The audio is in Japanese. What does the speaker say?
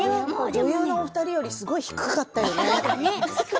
女優のお二人よりも低かったね。